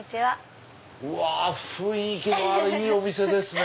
うわ雰囲気のあるいいお店ですね。